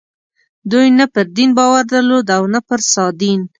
دوی نه پر دین باور درلود او نه پر سادین.